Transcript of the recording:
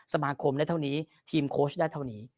สมาคมได้เท่านี้ทีมโค้ชได้เท่านี้